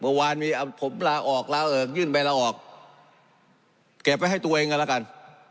เมื่อวานมีผมลาออกลาเอิกยื่นใบลาออกเก็บไว้ให้ตัวเองกันแล้วกัน